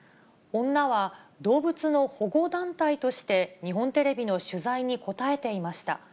女は動物の保護団体として日本テレビの取材に答えていました。